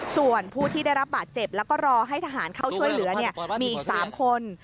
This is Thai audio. ส่วนผู้ที่ได้รับบาดเจ็บแล้วก็รอให้ทหารเข้าช่วยเหลือมีอีก๓คน